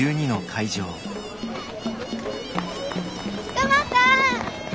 クマさん！